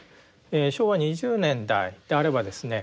昭和２０年代であればですね